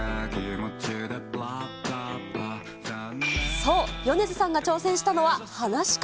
そう、米津さんが挑戦したのははなし家。